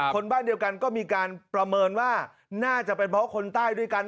คนบ้านเดียวกันก็มีการประเมินว่าน่าจะเป็นเพราะคนใต้ด้วยกัน